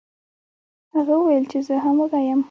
هغه وویل چې زه هم وږی یم.